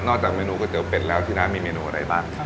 นอกจากเมนูก๋วยเตี๋ยวเป็ดแล้วที่ร้านมีเมนูอะไรบ้าง